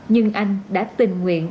nhưng anh đã tình nguyện